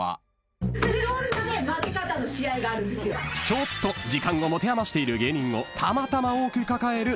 ［ちょっと時間を持て余している芸人をたまたま多く抱える］